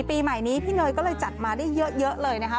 ปีใหม่นี้พี่เนยก็เลยจัดมาได้เยอะเลยนะคะ